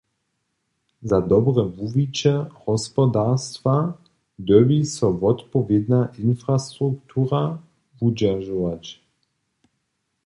Za dobre wuwiće hospodarstwa dyrbi so wotpowědna infrastruktura wudźeržować.